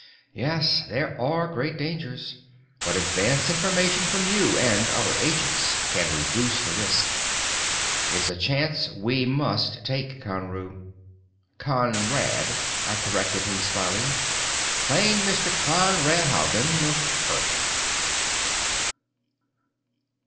Yes, there are great dangers, but advance information from you and other agents can reduce the risk. It's a chance we must take, Conru." "Conrad," I corrected him, smiling. "Plain Mr. Conrad Haugen ... of Earth."